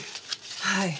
はい。